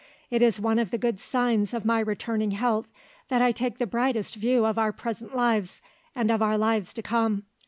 It is one of the good signs of my returning health that I take the brightest view of our present lives, and of our lives to come.